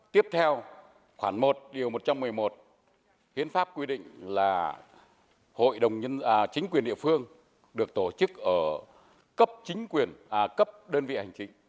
tiếp theo khoảng một điều một trăm một mươi một hiến pháp quy định là chính quyền địa phương được tổ chức ở cấp đơn vị hành chính